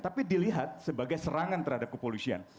tapi dilihat sebagai serangan terhadap kepolisian